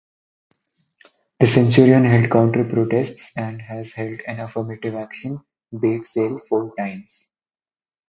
"The Centurion" held counterprotests and has held an affirmative action bake sale four times.